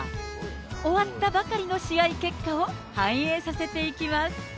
終わったばかりの試合結果を反映させていきます。